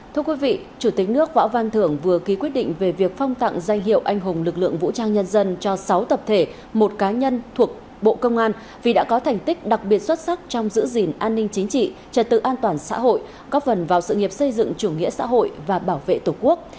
thưa quý vị chủ tịch nước võ văn thưởng vừa ký quyết định về việc phong tặng danh hiệu anh hùng lực lượng vũ trang nhân dân cho sáu tập thể một cá nhân thuộc bộ công an vì đã có thành tích đặc biệt xuất sắc trong giữ gìn an ninh chính trị trật tự an toàn xã hội góp phần vào sự nghiệp xây dựng chủ nghĩa xã hội và bảo vệ tổ quốc